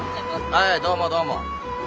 はいどうもどうも。